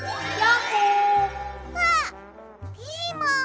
うわっピーマン！